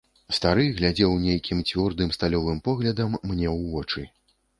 Стары глядзеў нейкім цвёрдым сталёвым поглядам мне ў вочы.